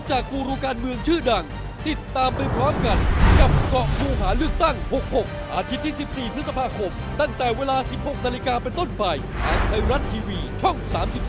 โชคสาธิตรอง